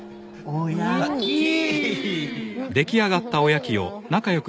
おやきー！